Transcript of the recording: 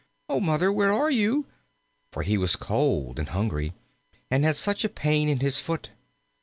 Oh, Mother, where are you?" for he was cold and hungry, and had such a pain in his foot.